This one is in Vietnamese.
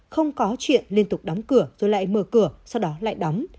không có chuyện liên tục đóng cửa rồi lại mở cửa sau đó lại đóng